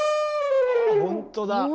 ほんとだ！